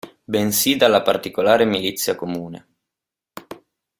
Bensì dalla particolare milizia comune.